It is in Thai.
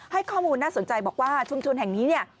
ให้ข้อมูลน่าสนใจบอกว่าชุมชนแห่งนี้เนี่ย